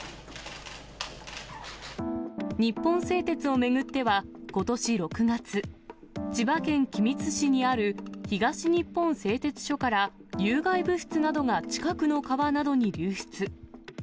日本製鉄を巡っては、ことし６月、千葉県君津市にある東日本製鉄所から有害物質などが近くの川などに流出。